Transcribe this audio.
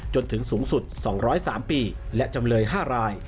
จนถึงสูงสุด๒๐๓ปีและจำเลย๕ราย